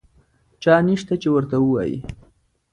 چا نشته چې ورته ووایي.